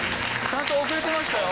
ちゃんと遅れてましたよ。